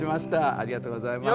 ありがとうございます。